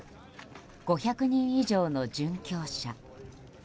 ５００人以上の殉教者。